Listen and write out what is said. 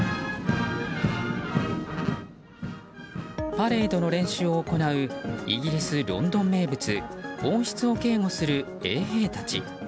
パレードの練習を行うイギリス・ロンドン名物王室を警護する衛兵たち。